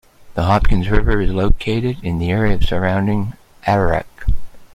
The Hopkins River is located in the area surrounding Ararat.